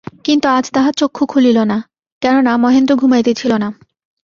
কিন্তু আজ তাহার চক্ষু খুলিল না, কেননা, মহেন্দ্র ঘুমাইতেছিল না।